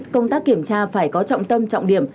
công tác kiểm tra phải có trọng tâm trọng điểm